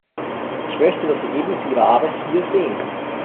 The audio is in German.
Ich möchte das Ergebnis ihrer Arbeit hier sehen.